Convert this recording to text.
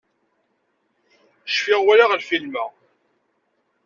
Cfiɣ walaɣ lfilm-a